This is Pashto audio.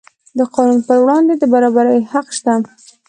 د قانون پر وړاندې د برابرۍ حق شته.